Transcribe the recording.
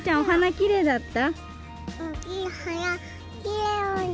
きれいだった。